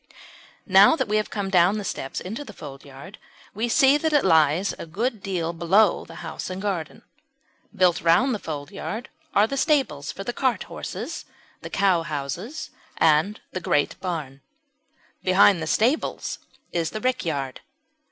Now that we have come down the steps into the foldyard we see that it lies a good deal below the house and garden. Built round the foldyard are the stables for the cart horses, the cowhouses, and the great barn. Behind the stables is the rickyard.